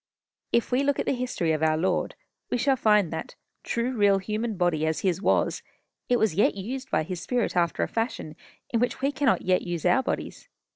If we look at the history of our Lord, we shall find that, true real human body as his was, it was yet used by his spirit after a fashion in which we cannot yet use our bodies.